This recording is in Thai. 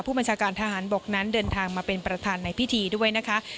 บัญชาการทหารบกนั้นเดินทางมาเป็นประธานในพิธีด้วยนะคะ